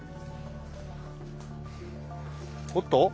おっと？